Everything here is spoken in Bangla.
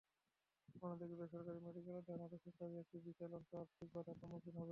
অন্যদিকে বেসরকারি মেডিকেলে অধ্যয়নরত শিক্ষার্থীদের একটি বিশাল অংশ আর্থিক বাধার সম্মুখীন হবে।